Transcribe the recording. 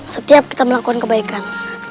setiap kita melakukan kebaikan